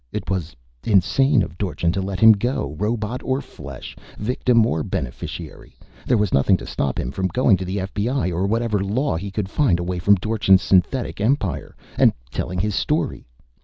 It was insane of Dorchin to let him go! Robot or flesh, victim or beneficiary, there was nothing to stop him from going to the FBI or whatever law he could find away from Dorchin's synthetic empire, and telling his story.